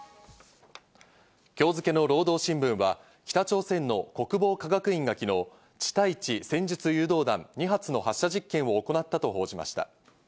今日付の労働新聞は北朝鮮の国防科学院が昨日、地対地戦術誘導弾２発の発射実験を行ったと報じました。